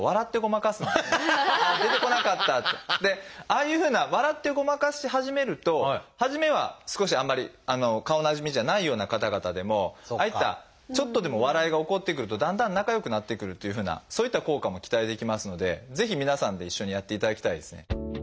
ああいうふうな笑ってごまかし始めると初めは少しあんまり顔なじみじゃないような方々でもああいったちょっとでも笑いが起こってくるとだんだん仲よくなってくるっていうふうなそういった効果も期待できますのでぜひ皆さんで一緒にやっていただきたいですね。